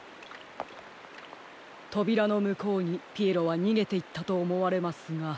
とびらのむこうにピエロはにげていったとおもわれますが。